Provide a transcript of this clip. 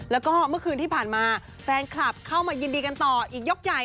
แล้วก็เมื่อคืนที่ผ่านมาแฟนคลับเข้ามายินดีกันต่ออีกยกใหญ่